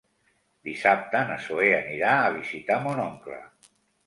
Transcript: Dissabte na Zoè anirà a visitar mon oncle.